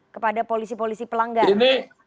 kepada polisi polisi pelanggaran